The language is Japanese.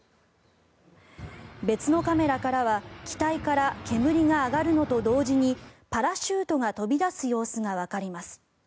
別のカメラからは機体から煙が上がるのと同時にパラシュートが飛び出す様子がわかります。